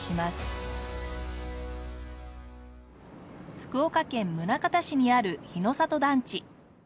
福岡県宗像市にある日の里団地。